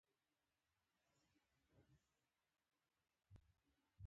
پښه مې سخته خوږېدله.